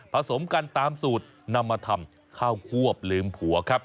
สมกันตามสูตรนำมาทำข้าวควบลืมผัวครับ